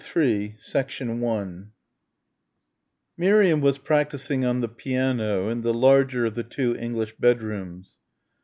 CHAPTER III 1 Miriam was practising on the piano in the larger of the two English bedrooms.